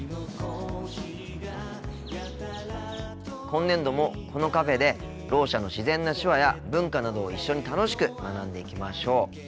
今年度もこのカフェでろう者の自然な手話や文化などを一緒に楽しく学んでいきましょう。